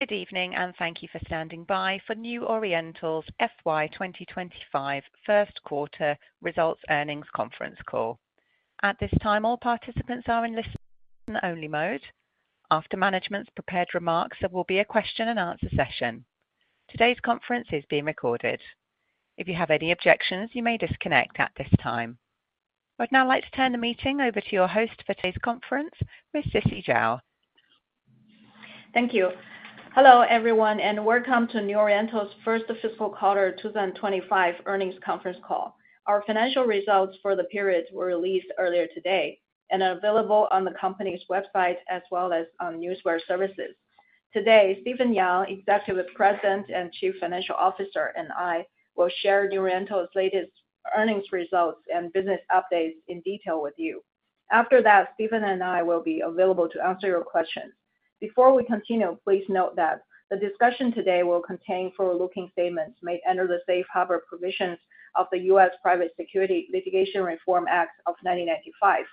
Good evening, and thank you for standing by for New Oriental's FY 2025 first quarter results earnings conference call. At this time, all participants are in listen-only mode. After management's prepared remarks, there will be a question and answer session. Today's conference is being recorded. If you have any objections, you may disconnect at this time. I'd now like to turn the meeting over to your host for today's conference, Ms. Sisi Zhao. Thank you. Hello, everyone, and welcome to New Oriental's first fiscal quarter 2025 earnings conference call. Our financial results for the period were released earlier today and are available on the company's website as well as on Newswire Services. Today, Stephen Yang, Executive President and Chief Financial Officer, and I will share New Oriental's latest earnings results and business updates in detail with you. After that, Stephen and I will be available to answer your questions. Before we continue, please note that the discussion today will contain forward-looking statements made under the Safe Harbor Provisions of the U.S. Private Securities Litigation Reform Act of 1995.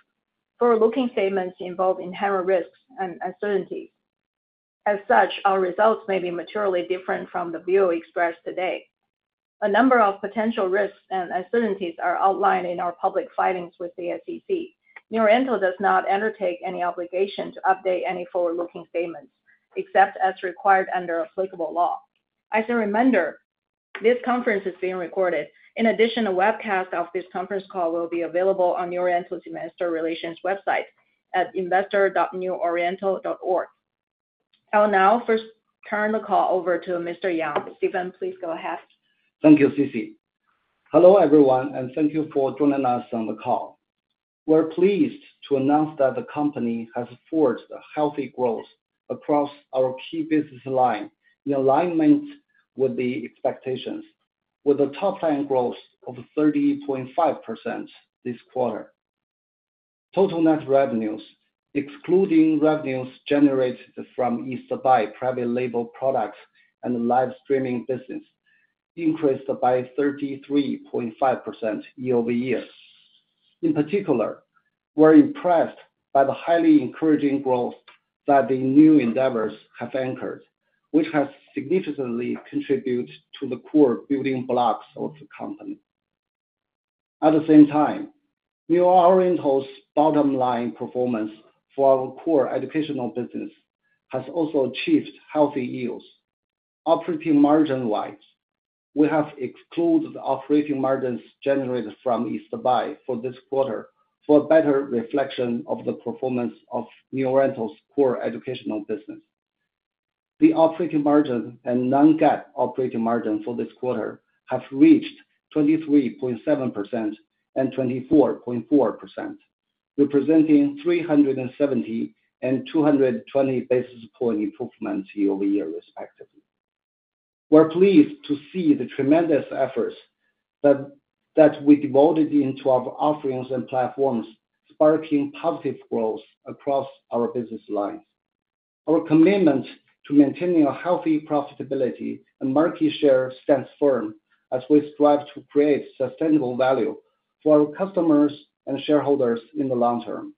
Forward-looking statements involve inherent risks and uncertainties. As such, our results may be materially different from the view expressed today. A number of potential risks and uncertainties are outlined in our public filings with the SEC. New Oriental does not undertake any obligation to update any forward-looking statements, except as required under applicable law. As a reminder, this conference is being recorded. In addition, a webcast of this conference call will be available on New Oriental's Investor Relations website at investor.neworiental.org. I'll now first turn the call over to Mr. Yang. Stephen, please go ahead. Thank you, Sisi. Hello, everyone, and thank you for joining us on the call. We're pleased to announce that the company has forged a healthy growth across our key business line, in alignment with the expectations, with a top-line growth of 30.5% this quarter. Total net revenues, excluding revenues generated from East Buy private label products and live streaming business, increased by 33.5% year-over-year. In particular, we're impressed by the highly encouraging growth that the new endeavors have anchored, which has significantly contributed to the core building blocks of the company. At the same time, New Oriental's bottom-line performance for our core educational business has also achieved healthy yields. Operating margin-wise, we have excluded operating margins generated from East Buy for this quarter for a better reflection of the performance of New Oriental's core educational business. The operating margin and non-GAAP operating margin for this quarter have reached 23.7% and 24.4%, representing 370 and 220 basis point improvements year-over-year, respectively. We're pleased to see the tremendous efforts that we devoted into our offerings and platforms, sparking positive growth across our business lines. Our commitment to maintaining a healthy profitability and market share stands firm as we strive to create sustainable value for our customers and shareholders in the long term.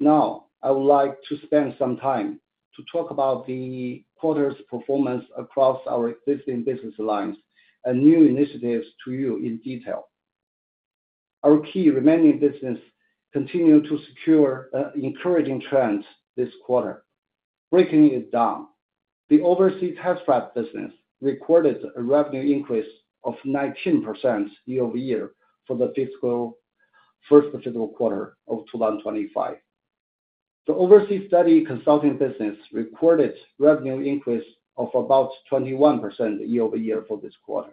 Now, I would like to spend some time to talk about the quarter's performance across our existing business lines and new initiatives to you in detail. Our key remaining business continued to secure encouraging trends this quarter. Breaking it down, the overseas test prep business recorded a revenue increase of 19% year-over-year for the first fiscal quarter of 2025. The overseas study consulting business recorded revenue increase of about 21% year-over-year for this quarter.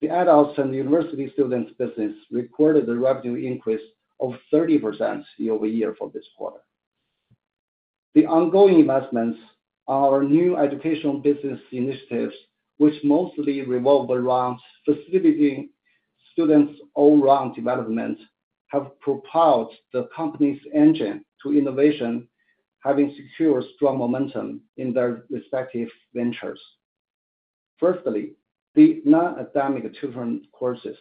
The adults and university students business recorded a revenue increase of 30% year-over-year for this quarter. The ongoing investments, our new educational business initiatives, which mostly revolve around facilitating students' all-round development, have propelled the company's engine to innovation, having secured strong momentum in their respective ventures. Firstly, the non-academic children courses,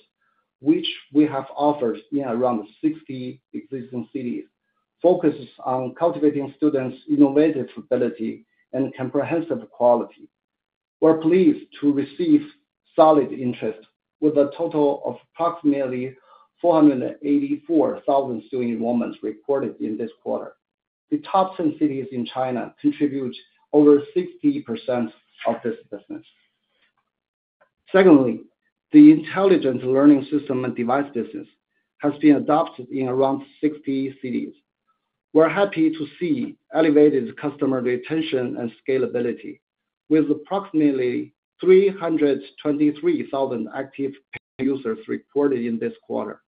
which we have offered in around 60 existing cities, focuses on cultivating students' innovative ability and comprehensive quality. We're pleased to receive solid interest with a total of approximately 484,000 student enrollments recorded in this quarter. The top 10 cities in China contribute over 60% of this business. Secondly, the intelligent learning system and device business has been adopted in around 60 cities. We're happy to see elevated customer retention and scalability with approximately 323,000 active users recorded in this quarter.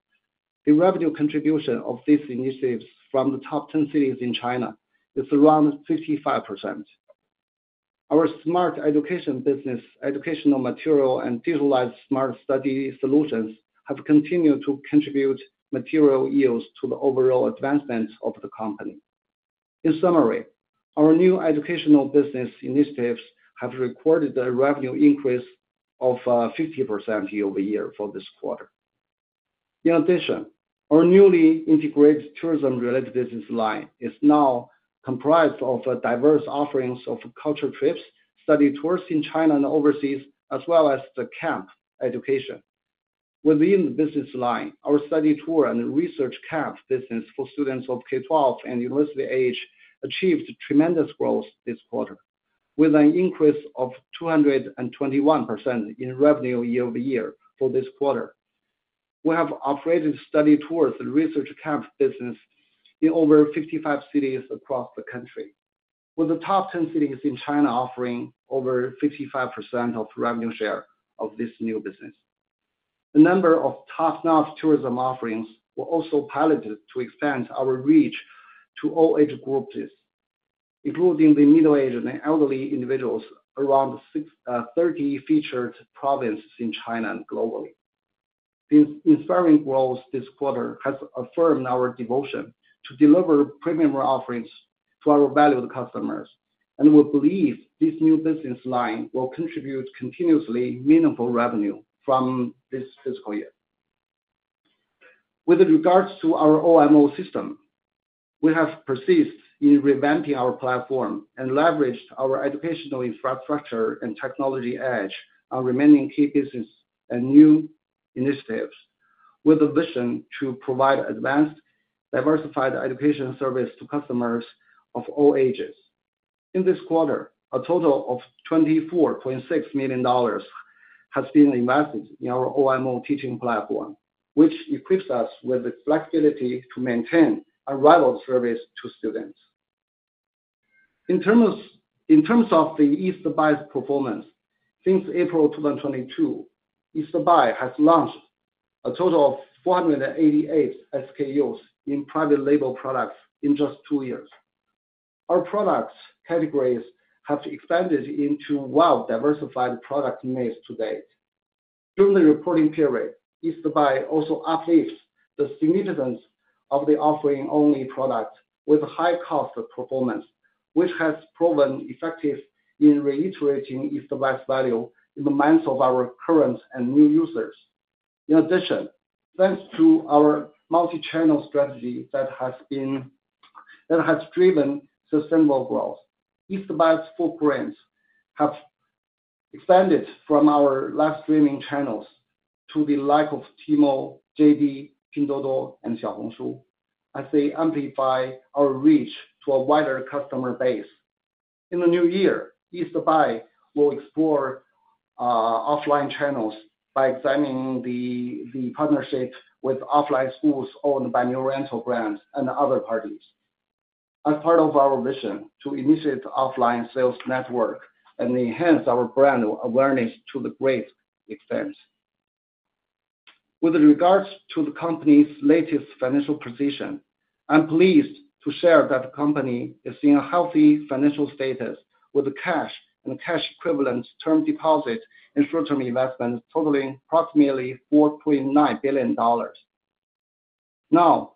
The revenue contribution of these initiatives from the top 10 cities in China is around 55%. Our smart education business, educational material, and digitalized smart study solutions have continued to contribute material yields to the overall advancement of the company. In summary, our new educational business initiatives have recorded a revenue increase of 50% year-over-year for this quarter. In addition, our newly integrated tourism-related business line is now comprised of diverse offerings of culture trips, study tours in China and overseas, as well as the camp education. Within the business line, our study tour and research camp business for students of K-12 and university age achieved tremendous growth this quarter, with an increase of 221% in revenue year-over-year for this quarter. We have operated study tours and research camps business in over 55 cities across the country, with the top 10 cities in China offering over 55% of revenue share of this new business. A number of top-notch tourism offerings were also piloted to expand our reach to all age groups, including the middle-aged and elderly individuals around thirty featured provinces in China and globally. This inspiring growth this quarter has affirmed our devotion to deliver premium offerings to our valued customers, and we believe this new business line will contribute continuously meaningful revenue from this fiscal year. With regards to our OMO system, we have persisted in revamping our platform and leveraged our educational infrastructure and technology edge on remaining key business and new initiatives, with a vision to provide advanced, diversified education service to customers of all ages. In this quarter, a total of $24.6 million has been invested in our OMO teaching platform, which equips us with the flexibility to maintain unrivaled service to students. In terms of East Buy's performance, since April 2022, East Buy has launched a total of 488 SKUs in private label products in just two years. Our product categories have expanded into well-diversified product mix to date. During the reporting period, East Buy also uplifts the significance of the offering-only product with high cost of performance, which has proven effective in reiterating East Buy's value in the minds of our current and new users. In addition, thanks to our multi-channel strategy that has driven sustainable growth, East Buy's footprints have expanded from our live streaming channels to the like of Tmall, JD, Pinduoduo and Xiaohongshu, as they amplify our reach to a wider customer base. In the new year, East Buy will explore offline channels by examining the partnerships with offline schools owned by New Oriental Brands and other parties, as part of our vision to initiate offline sales network and enhance our brand awareness to the great extent. With regards to the company's latest financial position, I'm pleased to share that the company is in a healthy financial status, with cash and cash equivalents term deposit and short-term investments totaling approximately $4.9 billion. Now,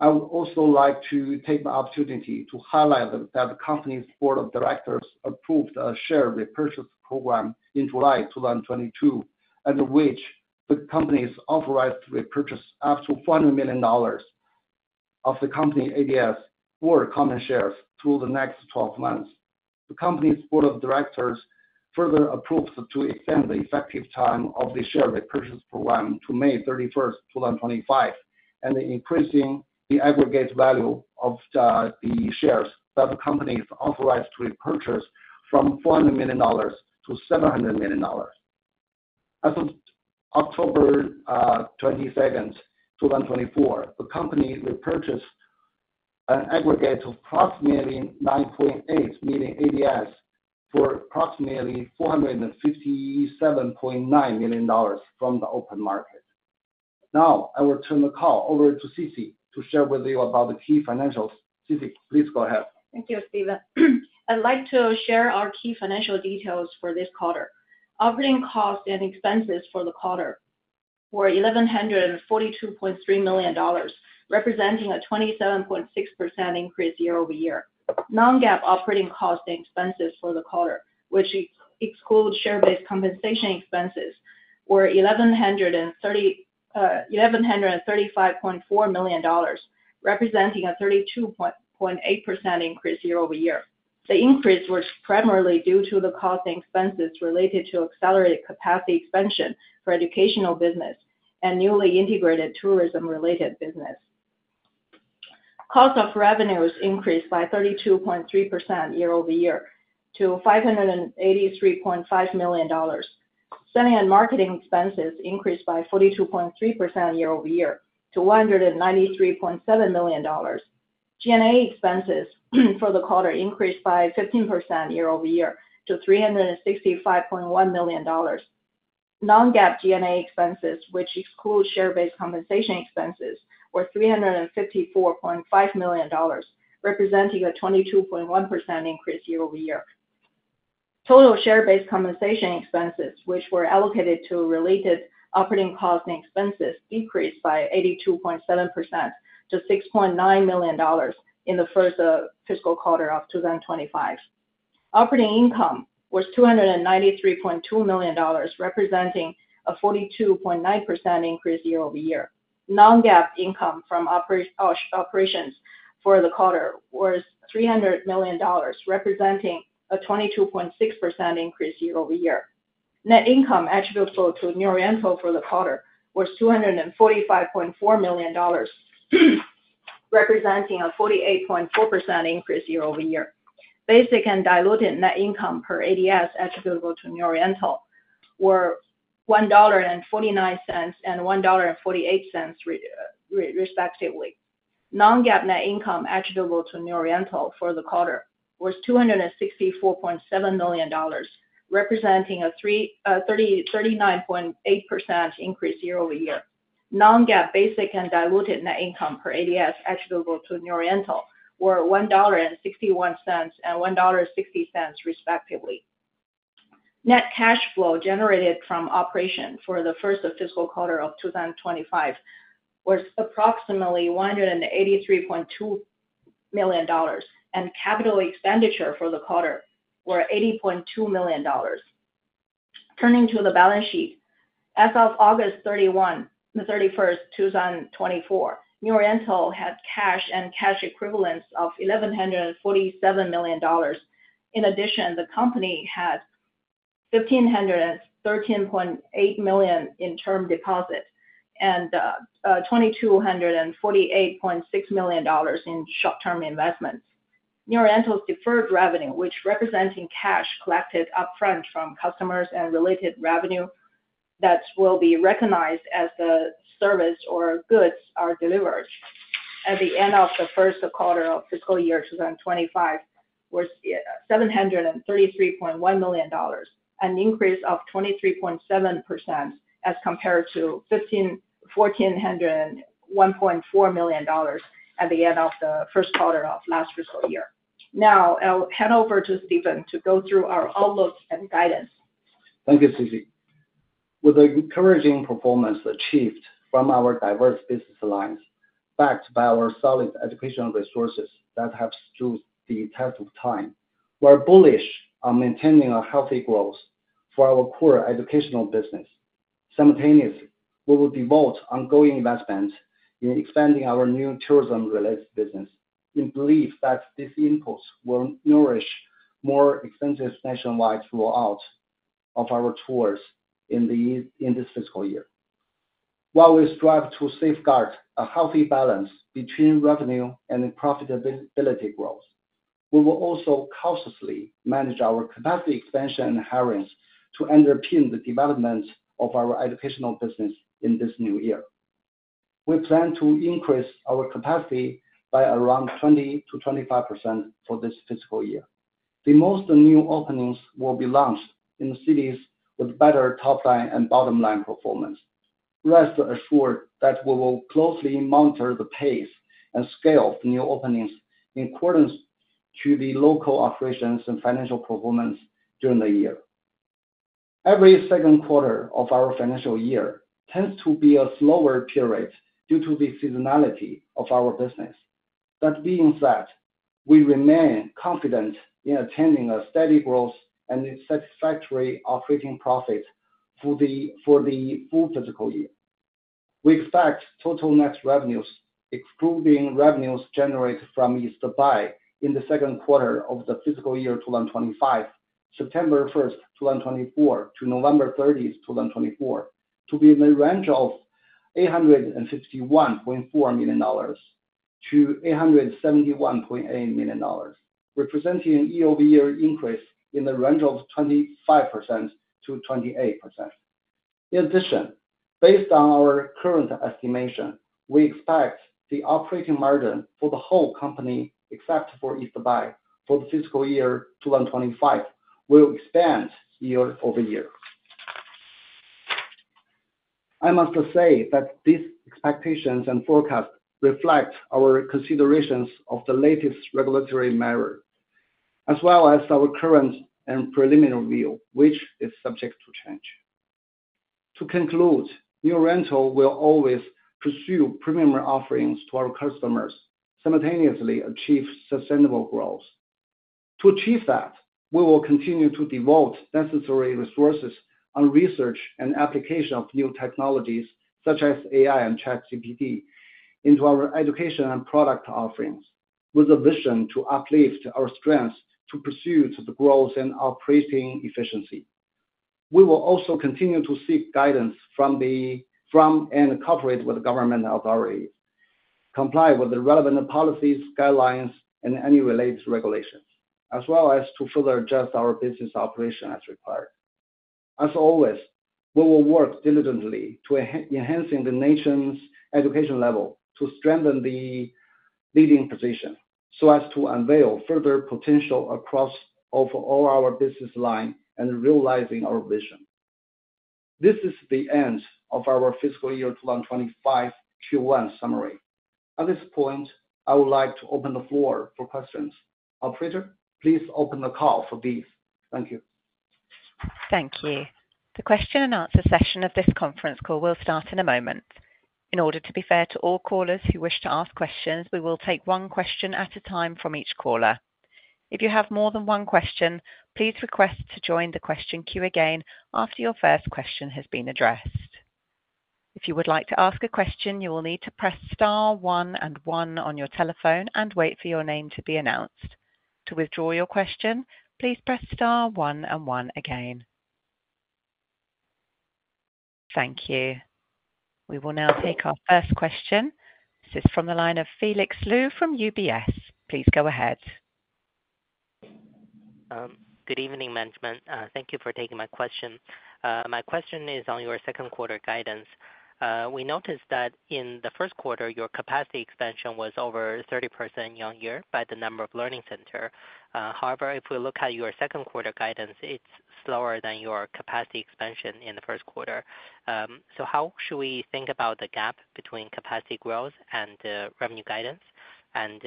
I would also like to take the opportunity to highlight that the company's board of directors approved a share repurchase program in July 2022, under which the company is authorized to repurchase up to $400 million of the company ADS or common shares through the next twelve months. The company's board of directors further approved to extend the effective time of the share repurchase program to May 31, 2025, and increasing the aggregate value of the shares that the company is authorized to repurchase from $400 million to $700 million. As of October 22, 2024, the company repurchased an aggregate of approximately 9.8 million ADS for approximately $457.9 million from the open market. Now, I will turn the call over to Sisi to share with you about the key financials. Sisi, please go ahead. Thank you, Stephen. I'd like to share our key financial details for this quarter. Operating costs and expenses for the quarter were $1,142.3 million, representing a 27.6% increase year over year. Non-GAAP operating costs and expenses for the quarter, which excludes share-based compensation expenses, were $1,135.4 million, representing a 32.8% increase year over year. The increase was primarily due to the cost and expenses related to accelerated capacity expansion for educational business and newly integrated tourism-related business. Cost of revenues increased by 32.3% year over year to $583.5 million. Selling and marketing expenses increased by 42.3% year over year to $193.7 million. G&A expenses for the quarter increased by 15% year over year to $365.1 million. Non-GAAP G&A expenses, which exclude share-based compensation expenses, were $354.5 million, representing a 22.1% increase year over year. Total share-based compensation expenses, which were allocated to related operating costs and expenses, increased by 82.7% to $6.9 million in the first fiscal quarter of two thousand twenty-five. Operating income was $293.2 million, representing a 42.9% increase year-over-year. Non-GAAP income from operations for the quarter was $300 million, representing a 22.6% increase year-over-year. Net income attributable to New Oriental for the quarter was $245.4 million, representing a 48.4% increase year-over-year. Basic and diluted net income per ADS attributable to New Oriental were $1.49 and $1.48, respectively. Non-GAAP net income attributable to New Oriental for the quarter was $264.7 million, representing a 39.8% increase year-over-year. Non-GAAP basic and diluted net income per ADS attributable to New Oriental were $1.61 and $1.60, respectively. Net cash flow generated from operation for the first fiscal quarter of 2025 was approximately $183.2 million, and capital expenditure for the quarter were $80.2 million. Turning to the balance sheet. As of August 31, 2024, New Oriental had cash and cash equivalents of $1,147 million. In addition, the company had $1,513.8 million in term deposits, and twenty-two hundred and forty-eight point six million dollars in short-term investments. New Oriental's deferred revenue, which representing cash collected upfront from customers and related revenue that will be recognized as the service or goods are delivered, was $733.1 million dollars, an increase of 23.7% as compared to fifteen-fourteen hundred and one point four million dollars at the end of the first quarter of last fiscal year. Now, I'll hand over to Stephen to go through our outlook and guidance. Thank you, Sisi. With the encouraging performance achieved from our diverse business lines, backed by our solid educational resources that have stood the test of time, we're bullish on maintaining a healthy growth for our core educational business. Simultaneously, we will devote ongoing investments in expanding our new tourism-related business, in belief that these inputs will nourish more extensive nationwide rollout of our tours in this fiscal year. While we strive to safeguard a healthy balance between revenue and profitability growth, we will also cautiously manage our capacity expansion and hirings to underpin the development of our educational business in this new year. We plan to increase our capacity by around 20-25% for this fiscal year. The most new openings will be launched in the cities with better top line and bottom line performance. Rest assured that we will closely monitor the pace and scale of new openings in accordance to the local operations and financial performance during the year. Every second quarter of our financial year tends to be a slower period due to the seasonality of our business. That being said, we remain confident in attaining a steady growth and a satisfactory operating profit for the full fiscal year. We expect total net revenues, excluding revenues generated from East Buy, in the second quarter of the fiscal year 2025, September 1, 2024 to November 30, 2024, to be in the range of $861.4 million-$871.8 million, representing a year-over-year increase in the range of 25%-28%. In addition, based on our current estimation, we expect the operating margin for the whole company, except for East Buy, for the fiscal year 2025, will expand year-over-year. I must say that these expectations and forecasts reflect our considerations of the latest regulatory measure, as well as our current and preliminary view, which is subject to change. To conclude, New Oriental will always pursue premium offerings to our customers, simultaneously achieve sustainable growth. To achieve that, we will continue to devote necessary resources on research and application of new technologies, such as AI and ChatGPT, into our education and product offerings, with a vision to uplift our strengths, to pursue to the growth and operating efficiency. We will also continue to seek guidance from the... from and cooperate with government authorities, comply with the relevant policies, guidelines, and any related regulations, as well as to further adjust our business operation as required. As always, we will work diligently to enhancing the nation's education level, to strengthen the leading position, so as to unveil further potential across of all our business line and realizing our vision. This is the end of our fiscal year two thousand twenty-five Q1 summary. At this point, I would like to open the floor for questions. Operator, please open the call for this. Thank you. Thank you. The question and answer session of this conference call will start in a moment. In order to be fair to all callers who wish to ask questions, we will take one question at a time from each caller. If you have more than one question, please request to join the question queue again after your first question has been addressed. If you would like to ask a question, you will need to press star one and one on your telephone and wait for your name to be announced. To withdraw your question, please press star one and one again. Thank you. We will now take our first question. This is from the line of Felix Liu from UBS. Please go ahead. Good evening, management. Thank you for taking my question. My question is on your second quarter guidance. We noticed that in the first quarter, your capacity expansion was over 30% year-on-year by the number of learning center. However, if we look at your second quarter guidance, it's slower than your capacity expansion in the first quarter. So how should we think about the gap between capacity growth and revenue guidance? And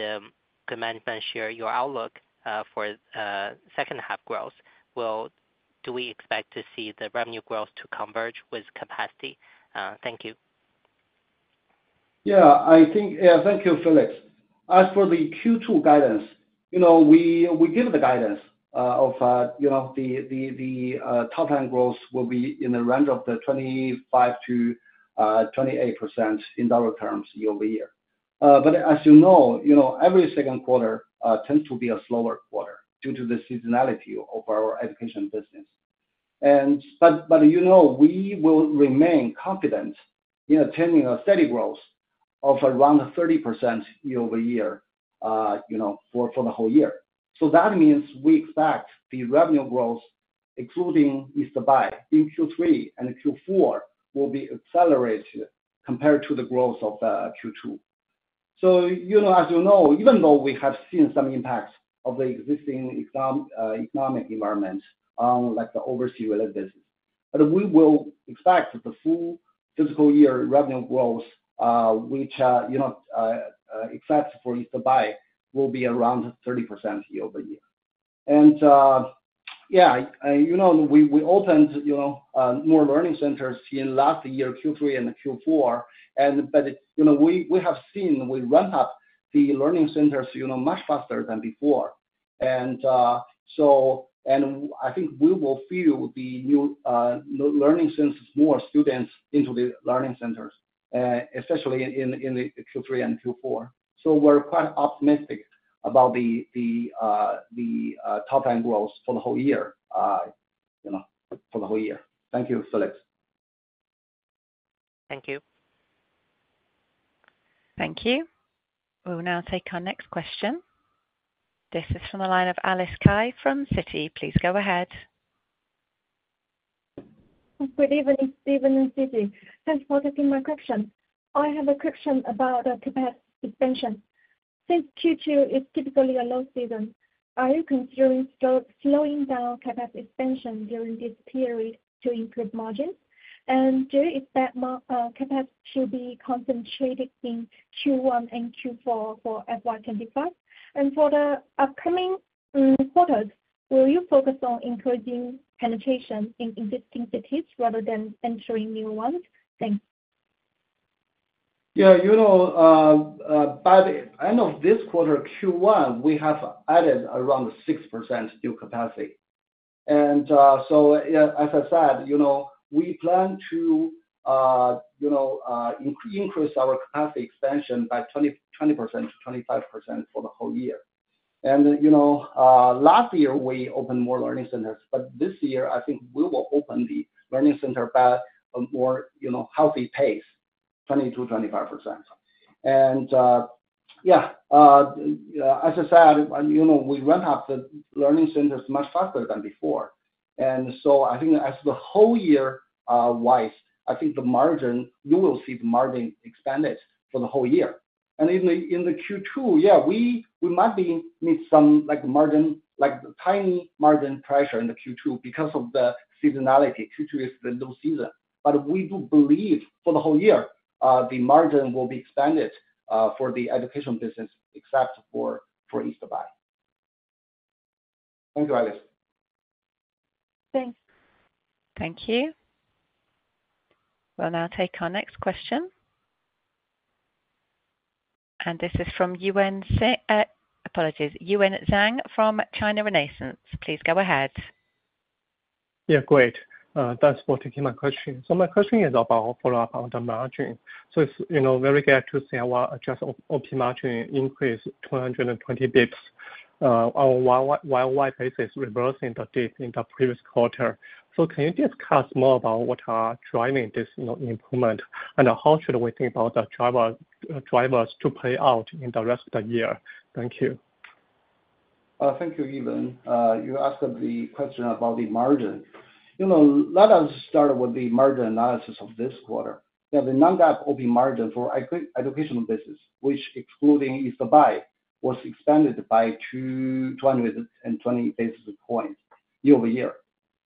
could management share your outlook for second half growth? Well, do we expect to see the revenue growth to converge with capacity? Thank you. Yeah, I think. Yeah, thank you, Felix. As for the Q2 guidance, you know, we give the guidance of you know, the top line growth will be in the range of 25%-28% in dollar terms year over year. But as you know, you know, every second quarter tends to be a slower quarter due to the seasonality of our education business. But you know, we will remain confident in attaining a steady growth of around 30% year over year you know, for the whole year. So that means we expect the revenue growth, including East Buy in Q3 and Q4, will be accelerated compared to the growth of Q2. You know, as you know, even though we have seen some impacts of the existing economic environment, like the overseas business, but we will expect the full fiscal year revenue growth, which, you know, except for East Buy, will be around 30% year over year. And, yeah, you know, we opened more learning centers in last year, Q3 and Q4, and but, you know, we have seen we ramp up the learning centers, you know, much faster than before. And, so, and I think we will fill the new learning centers, more students into the learning centers, especially in the Q3 and Q4. We're quite optimistic about the top-line growth for the whole year, you know, for the whole year. Thank you, Felix. Thank you. Thank you. We will now take our next question. This is from the line of Alice Cai from Citi. Please go ahead. Good evening, Stephen and Sisi. Thanks for taking my question. I have a question about the capacity expansion. Since Q2 is typically a low season, are you considering slowing down capacity expansion during this period to improve margins? And Sisi, is that margin? Capacity should be concentrated in Q1 and Q4 for FY 2025? And for the upcoming quarters, will you focus on increasing penetration in existing cities rather than entering new ones? Thanks. Yeah, you know, by the end of this quarter, Q1, we have added around 6% new capacity. So, yeah, as I said, you know, we plan to, you know, increase our capacity expansion by 20%-25% for the whole year. You know, last year, we opened more learning centers, but this year I think we will open the learning center at a more, you know, healthy pace, 20%-25%. As I said, and, you know, we ramp up the learning centers much faster than before. So I think as the whole year wise, I think the margin, you will see the margin expanded for the whole year. In the Q2, yeah, we might be need some, like, margin, like, tiny margin pressure in the Q2 because of the seasonality. Q2 is the low season, but we do believe for the whole year, the margin will be expanded, for the educational business, except for East Buy. Thank you, Alice. Thanks. Thank you. We'll now take our next question. And this is from Yiwen Zhang from China Renaissance. Please go ahead. Yeah, great. Thanks for taking my question. So my question is about follow up on the margin. So it's, you know, very good to see our adjusted OP margin increase 220 basis points, on a year-on-year basis, reversing the dip in the previous quarter. So can you discuss more about what are driving this, you know, improvement, and how should we think about the driver, drivers to play out in the rest of the year? Thank you. Thank you, Yiwen. You asked the question about the margin. You know, let us start with the margin analysis of this quarter. Yeah, the non-GAAP OP margin for educational business, which excluding East Buy, was expanded by 220 basis points year-over-year. You know,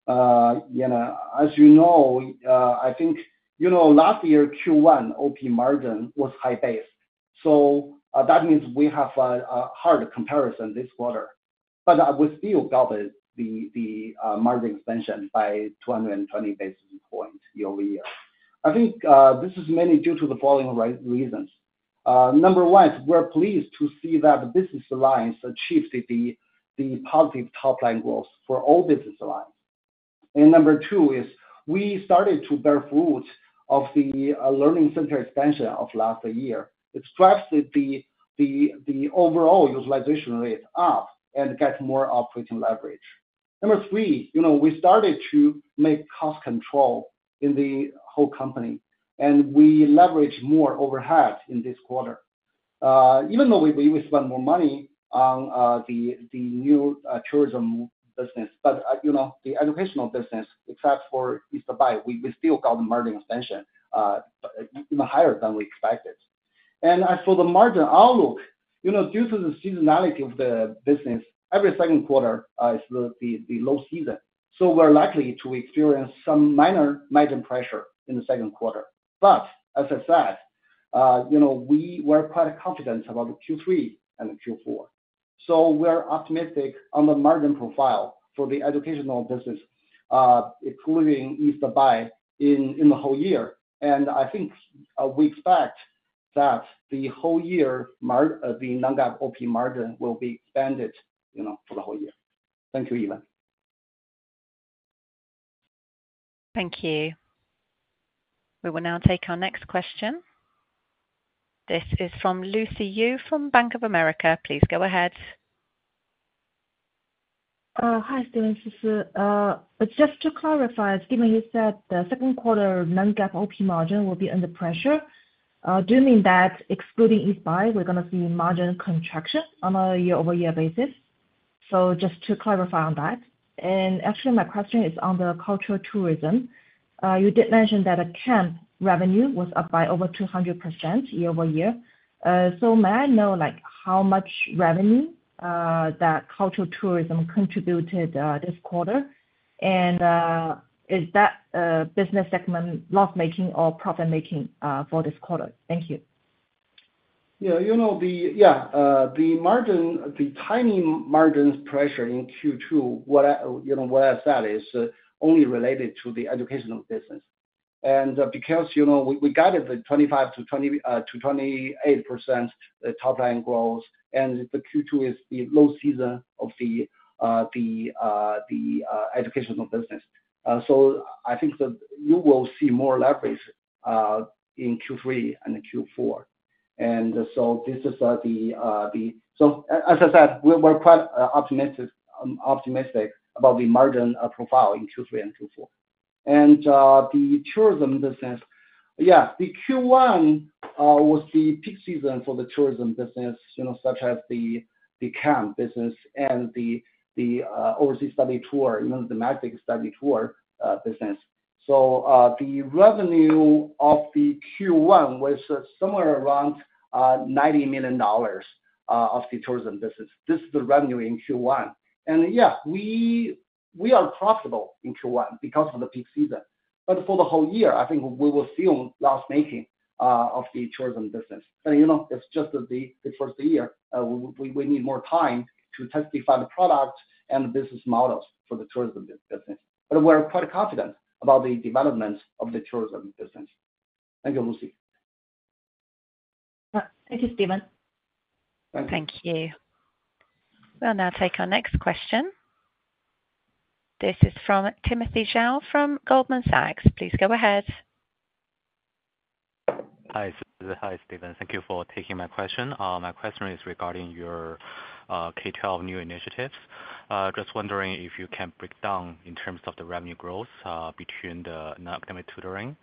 as you know, I think, you know, last year, Q1, OP margin was high base. So, that means we have a hard comparison this quarter. But, we still got the market expansion by 220 basis points year-over-year. I think, this is mainly due to the following reasons. Number one, we're pleased to see that the business alliance achieved the positive top line growth for all business alliance. And number two is, we started to bear fruit of the learning center expansion of last year. It drives the overall utilization rate up and get more operating leverage. Number three, you know, we started to make cost control in the whole company, and we leveraged more overhead in this quarter. Even though we spent more money on the new tourism business, but you know, the educational business, except for East Buy, we still got the margin expansion even higher than we expected. And as for the margin outlook, you know, due to the seasonality of the business, every second quarter is the low season, so we're likely to experience some minor margin pressure in the second quarter. But as I said, you know, we're quite confident about the Q3 and Q4. So we're optimistic on the margin profile for the educational business, including East Buy, in the whole year. And I think, we expect that the whole year margin, the non-GAAP OP margin will be expanded, you know, for the whole year. Thank you, Eva. Thank you. We will now take our next question. This is from Lucy Yu from Bank of America. Please go ahead. Hi, Stephen. Just to clarify, given you said the second quarter non-GAAP OP margin will be under pressure, do you mean that excluding East Buy, we're gonna see margin contraction on a year-over-year basis? So just to clarify on that. And actually, my question is on the cultural tourism. You did mention that camp revenue was up by over 200% year-over-year. So may I know, like, how much revenue that cultural tourism contributed this quarter? And is that business segment loss-making or profit-making for this quarter? Thank you. Yeah, you know, the margin, the tiny margins pressure in Q2. What I said is only related to the educational business. Because, you know, we guided the 25%-28% top line growth, and Q2 is the low season of the educational business. I think that you will see more leverage in Q3 and Q4. This is. As I said, we're quite optimistic about the margin profile in Q3 and Q4. The tourism business. Yeah, Q1 was the peak season for the tourism business, you know, such as the camp business and the overseas study tour, you know, the magic study tour business. The revenue of the Q1 was somewhere around $90 million of the tourism business. This is the revenue in Q1. Yeah, we are profitable in Q1 because of the peak season. For the whole year, I think we will see loss-making of the tourism business. You know, it's just the first year. We need more time to test the products and the business models for the tourism business. We're quite confident about the development of the tourism business. Thank you, Lucy. Thank you, Stephen. Thank you. Thank you. We'll now take our next question. This is from Timothy Zhao from Goldman Sachs. Please go ahead. Hi, Sisi. Hi, Stephen. Thank you for taking my question. My question is regarding your K-12 new initiatives. Just wondering if you can break down in terms of the revenue growth between the non-academic tutoring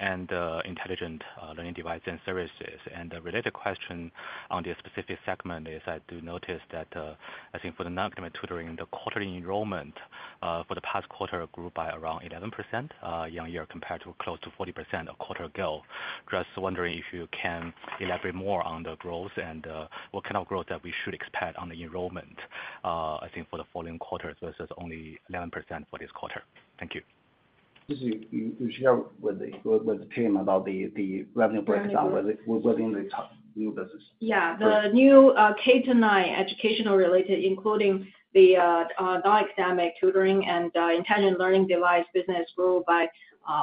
and intelligent learning devices and services. And a related question on this specific segment is, I do notice that I think for the non-academic tutoring, the quarterly enrollment for the past quarter grew by around 11% year-on-year, compared to close to 40% of quarter growth. Just wondering if you can elaborate more on the growth and what kind of growth that we should expect on the enrollment, I think for the following quarters, versus only 11% for this quarter. Thank you. Lucy, you share with Tim about the revenue breakdown within the top new business. Yeah, the new K-9 educational related, including the non-academic tutoring and intelligent learning device business grew by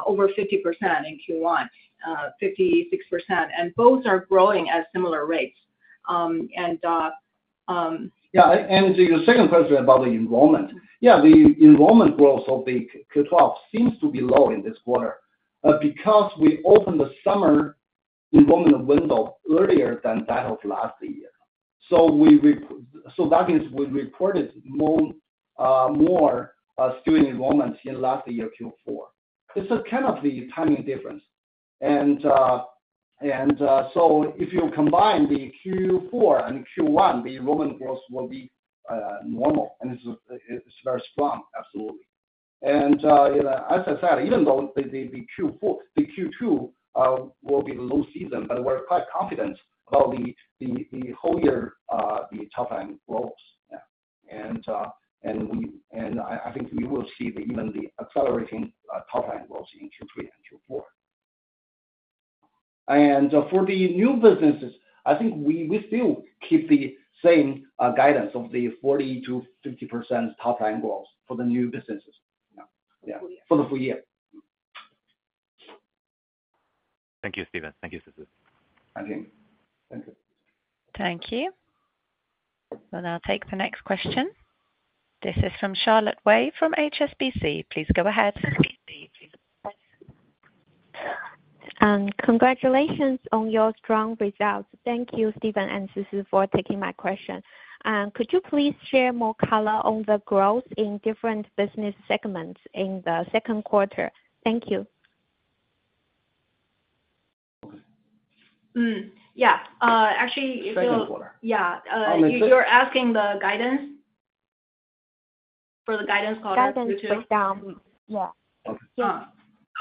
over 50% in Q1, 56%, and both are growing at similar rates. Yeah, and to your second question about the enrollment. Yeah, the enrollment growth of the K-12 seems to be low in this quarter because we opened the summer enrollment window earlier than that of last year. So that means we reported more student enrollments in last year, Q4. This is kind of the timing difference. So if you combine the Q4 and Q1, the enrollment growth will be normal, and it's very strong, absolutely. You know, as I said, even though the Q2 will be low season, but we're quite confident about the whole year, the top line growth. Yeah. I think we will see even the accelerating top line growth in Q3 and Q4. For the new businesses, I think we still keep the same guidance of the 40%-50% top line growth for the new businesses. Yeah. Yeah.For the full year. For the full year. Thank you, Stephen. Thank you, Sisi. Thank you. Thank you. Thank you. We'll now take the next question. This is from Charlotte Wei from HSBC. Please go ahead. Congratulations on your strong results. Thank you, Stephen and Sisi, for taking my question. Could you please share more color on the growth in different business segments in the second quarter? Thank you. Yeah. Actually, if you-Second quarter. Yeah. You're asking the guidance? For the guidance quarter- Guidance breakdown. Yeah. Yeah.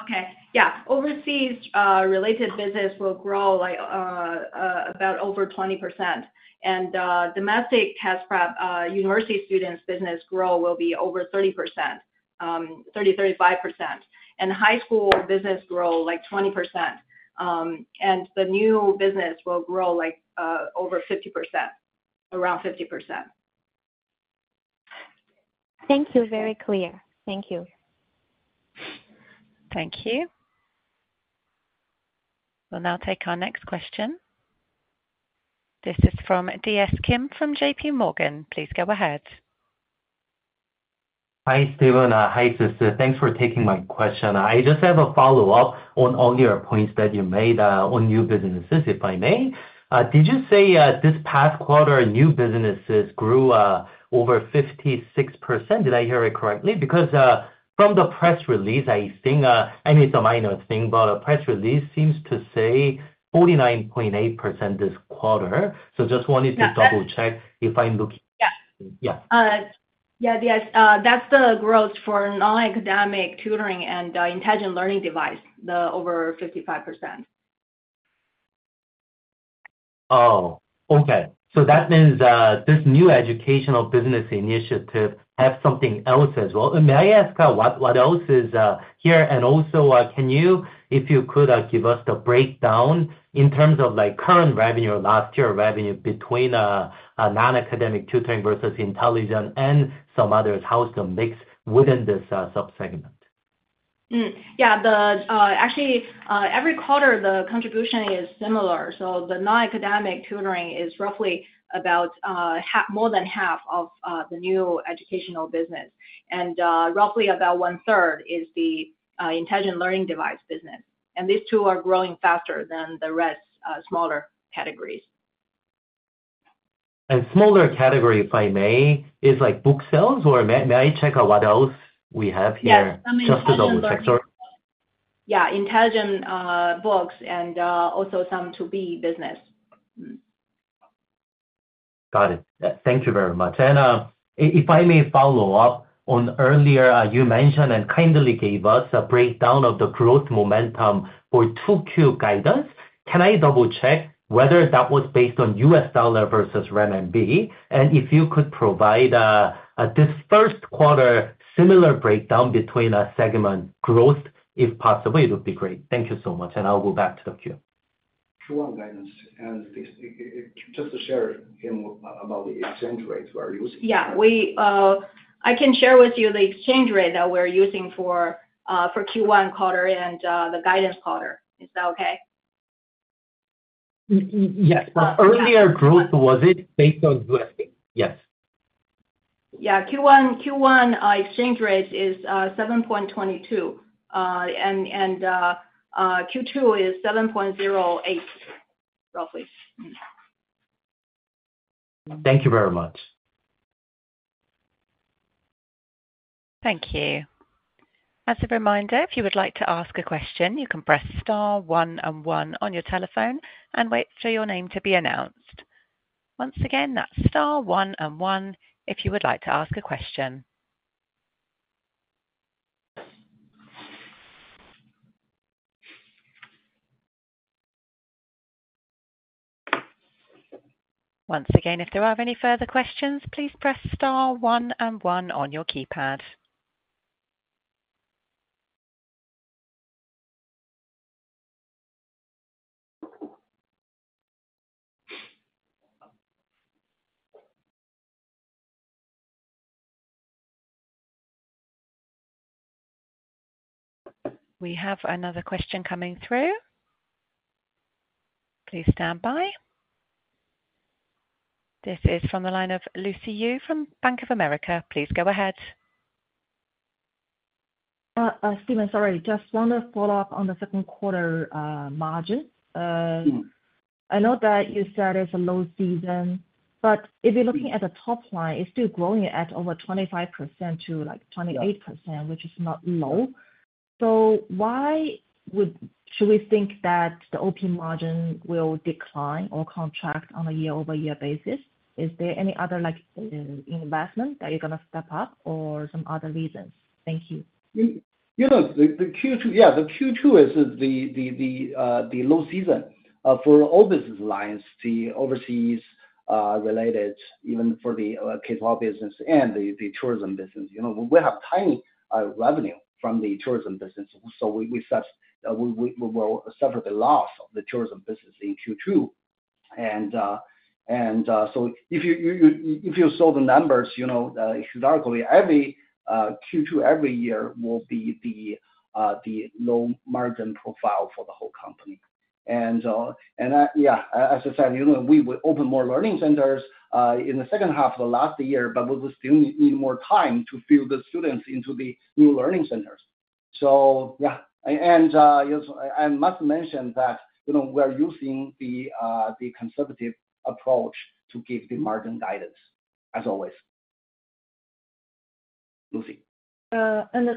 Okay. Yeah. Overseas related business will grow like about over 20%. And domestic test prep university students business grow will be over 30%, 30-35%. And high school business grow like 20%. And the new business will grow like over 50%, around 50%. Thank you. Very clear. Thank you. Thank you. We'll now take our next question. This is from DS Kim from J.P. Morgan. Please go ahead. Hi, Stephen. Hi, Sisi. Thanks for taking my question. I just have a follow-up on your points that you made on new businesses, if I may. Did you say this past quarter, new businesses grew over 56%? Did I hear it correctly? Because from the press release, I think, I mean, it's a minor thing, but the press release seems to say 49.8% this quarter. So just wanted to- Yeah. Double-check if I'm looking. Yeah. Yeah. Yes. That's the growth for non-academic tutoring and intelligent learning device, the over 55%. Oh, okay. So that means this new educational business initiative have something else as well. And may I ask what else is here? And also, can you, if you could, give us the breakdown in terms of, like, current revenue or last year revenue between a non-academic tutoring versus intelligent and some others, how is the mix within this sub-segment? Yeah, actually, every quarter the contribution is similar. So the non-academic tutoring is roughly about more than half of the new educational business. And roughly about one-third is the intelligent learning device business. And these two are growing faster than the rest smaller categories. Smaller category, if I may, is like book sales, or may I check out what else we have here? Yes. Just to double check. Yeah, intelligent books and also some 2B business. Got it. Thank you very much, and if I may follow up on earlier, you mentioned and kindly gave us a breakdown of the growth momentum for 2Q guidance. Can I double-check whether that was based on US dollar versus renminbi, and if you could provide this first quarter similar breakdown between a segment growth, if possible, it would be great. Thank you so much, and I'll go back to the queue. Forward guidance, and this, just to share, Kim, about the exchange rates we are using. Yeah, we, I can share with you the exchange rate that we're using for Q1 quarter and the guidance quarter. Is that okay? Y-y-yes. Uh, yeah. But earlier growth, was it based on USD? Yes. Yeah. Q1 exchange rate is 7.22. And Q2 is 7.08, roughly. Thank you very much. Thank you. As a reminder, if you would like to ask a question, you can press star one and one on your telephone and wait for your name to be announced. Once again, that's star one and one if you would like to ask a question. Once again, if there are any further questions, please press star one and one on your keypad. We have another question coming through. Please stand by. This is from the line of Lucy Yu from Bank of America. Please go ahead. Stephen, sorry, just want to follow up on the second quarter, margin. I know that you said it's a low season, but if you're looking at the top line, it's still growing at over 25% to, like, 28%- Yeah -which is not low. So why would... should we think that the OP margin will decline or contract on a year-over-year basis? Is there any other, like, investment that you're gonna step up or some other reasons? Thank you. You know, the Q2, yeah, the Q2 is the low season for all business lines, the overseas related, even for the K-12 business and the tourism business. You know, we have tiny revenue from the tourism business, so we will suffer the loss of the tourism business in Q2, and so if you saw the numbers, you know, historically, every Q2 every year will be the low margin profile for the whole company. Yeah, as I said, you know, we will open more learning centers in the second half of the last year, but we will still need more time to fill the students into the new learning centers. So, yeah, and, you know, I must mention that, you know, we're using the conservative approach to give the margin guidance, as always. Lucy? And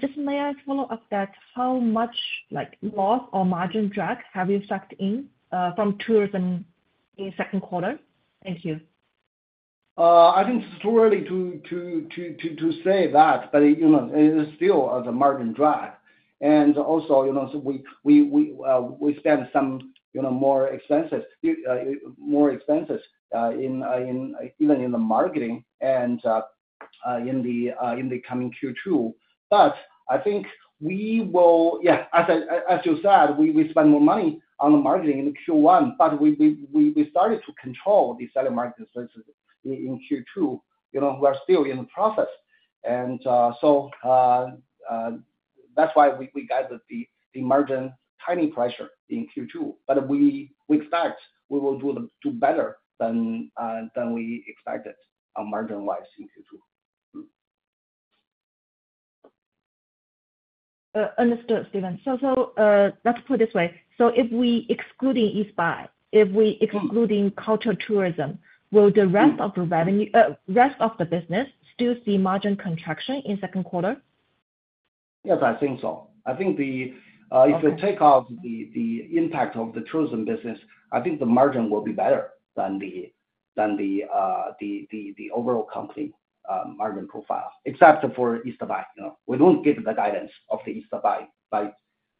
just may I follow up that, how much, like, loss or margin drag have you sucked in from tourism in second quarter? Thank you. I think it's too early to say that, but you know, it is still the margin drag. And also, you know, so we spend some, you know, more expenses in, even in the marketing and in the coming Q2. But I think we will. Yeah, as you said, we spend more money on the marketing in Q1, but we started to control the seller market in Q2. You know, we're still in the process. And so that's why we guided the margin timing pressure in Q2. But we expect we will do better than we expected on margin-wise in Q2. Understood, Stephen. So let's put it this way: So if we excluding East Buy, if we including culture tourism, will the rest of the revenue, rest of the business still see margin contraction in second quarter? Yes, I think so. I think the, Okay. If you take off the impact of the tourism business, I think the margin will be better than the overall company margin profile, except for East Buy. You know, we don't give the guidance of the East Buy by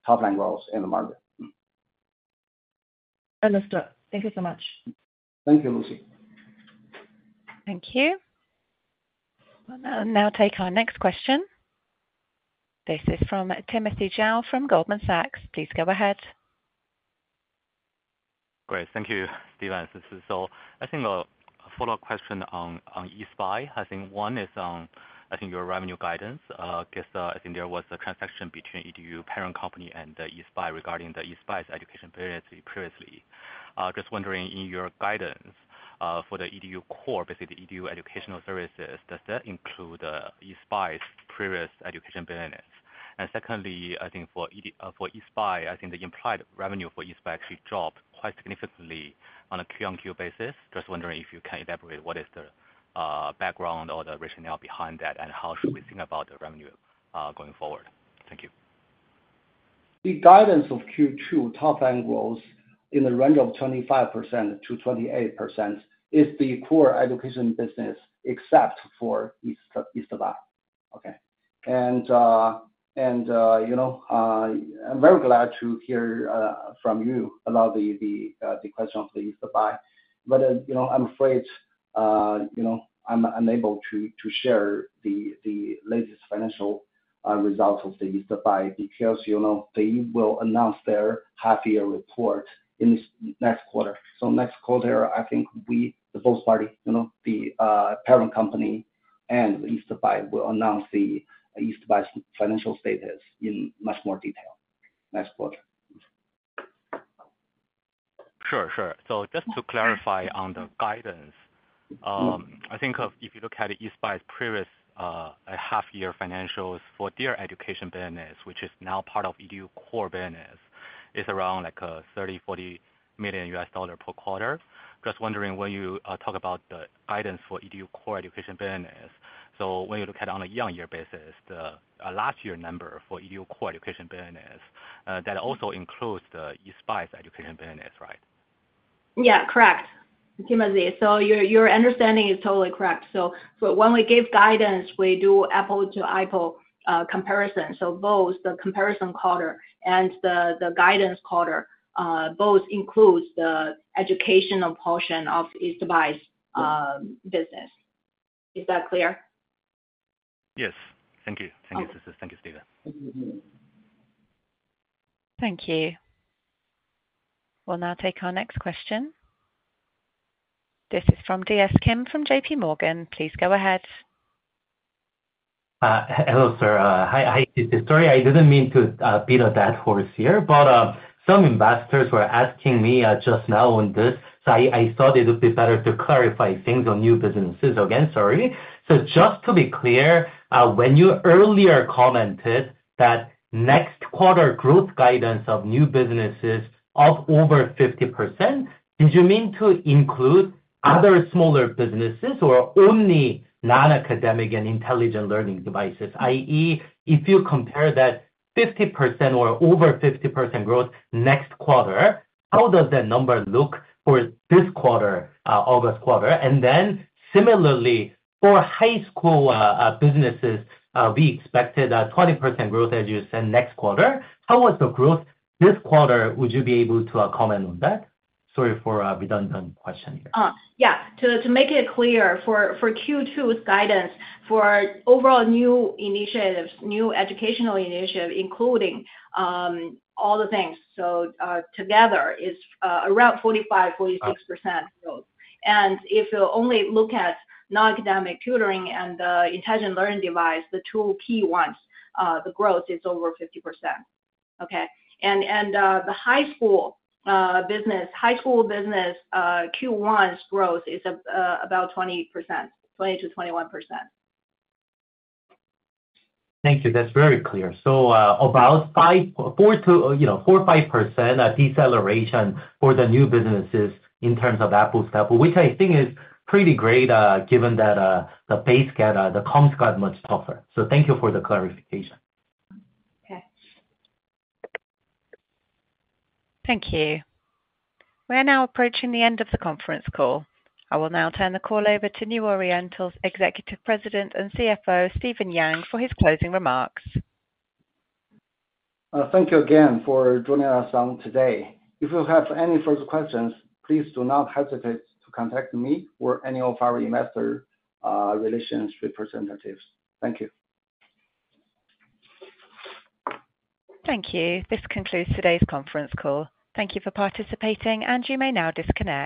top line roles in the margin. Understood. Thank you so much. Thank you, Lucy. Thank you. We'll now take our next question. This is from Timothy Zhao from Goldman Sachs. Please go ahead. Great. Thank you, Stephen. So I think a follow-up question on East Buy. I think one is on, I think your revenue guidance, because, I think there was a transaction between EDU parent company and the East Buy regarding the East Buy's education previously. Just wondering, in your guidance, for the EDU core, basically the EDU educational services, does that include East Buy's previous education business? And secondly, I think for East Buy, I think the implied revenue for East Buy actually dropped quite significantly on a Q on Q basis. Just wondering if you can elaborate what is the background or the rationale behind that, and how should we think about the revenue going forward? Thank you. The guidance of Q2 top-end growth in the range of 25% to 28% is the core education business, except for East Buy. Okay. And you know, I'm very glad to hear from you about the question of the East Buy. But you know, I'm afraid you know, I'm unable to share the latest financial results of the East Buy, because you know, they will announce their half-year report in this next quarter. So next quarter, I think we, the both party, you know, the parent company and East Buy, will announce the East Buy's financial status in much more detail next quarter. Sure, sure. So just to clarify on the guidance, I think of if you look at East Buy's previous half year financials for their education business, which is now part of EDU core business, is around like $30 million-$40 million per quarter. Just wondering, when you talk about the guidance for EDU core education business, so when you look at on a year-on-year basis, the last year number for EDU core education business, that also includes the East Buy's education business, right? Yeah, correct, Timothy. So your understanding is totally correct. So when we give guidance, we do apple to apple comparison. So both the comparison quarter and the guidance quarter both includes the educational portion of East Buy's business. Is that clear? Yes. Thank you. Thank you. Okay. Thank you, Stephen. Thank you. Thank you. We'll now take our next question. This is from DS Kim from J.P. Morgan. Please go ahead. Hello, sir. Hi. Sorry, I didn't mean to beat a dead horse here, but some investors were asking me just now on this, so I thought it would be better to clarify things on new businesses. Again, sorry. Just to be clear, when you earlier commented that next quarter growth guidance of new businesses of over 50%, did you mean to include other smaller businesses or only non-academic and intelligent learning devices? I.e., if you compare that 50% or over 50% growth next quarter, how does that number look for this quarter, August quarter? Then similarly, for high school businesses, we expected a 20% growth, as you said, next quarter. How was the growth this quarter? Would you be able to comment on that? Sorry for a redundant question here. To make it clear, for Q2's guidance, for overall new initiatives, new educational initiatives, including all the things, so together, is around 45-46% growth. And if you only look at non-academic tutoring and intelligent learning device, the two key ones, the growth is over 50%. Okay? And the high school business, Q1's growth is about 20%, 20-21%. Thank you. That's very clear. So, about 4%-5% deceleration for the new businesses in terms of overall, which I think is pretty great, given that the comps got much tougher. So thank you for the clarification. Okay. Thank you. We are now approaching the end of the conference call. I will now turn the call over to New Oriental's Executive President and CFO, Stephen Yang, for his closing remarks. Thank you again for joining us on today. If you have any further questions, please do not hesitate to contact me or any of our investor relations representatives. Thank you. Thank you. This concludes today's conference call. Thank you for participating, and you may now disconnect.